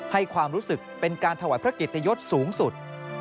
ให้ความรู้สึกเป็นการถวายพระกิจตยศสูงสุด